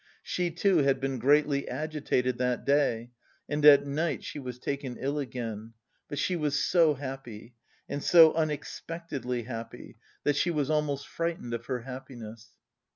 She too had been greatly agitated that day, and at night she was taken ill again. But she was so happy and so unexpectedly happy that she was almost frightened of her happiness.